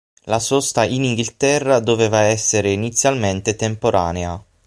La sosta in Inghilterra doveva essere inizialmente temporanea.